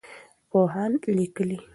پوهان لیکي.